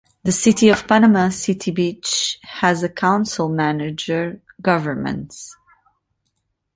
The City of Panama City Beach has a council-manager government.